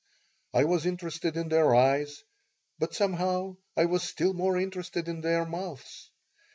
I was interested in their eyes, but, somehow, I was still more interested in their mouths.